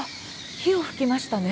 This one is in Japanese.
火を噴きましたね。